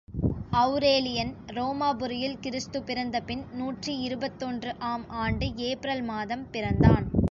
Aurelian ரோமாபுரியில் கிறிஸ்து பிறந்தபின் நூற்றி இருபத்தொன்று ஆம் ஆண்டு ஏப்ரல் மாதம் பிறந்தான்.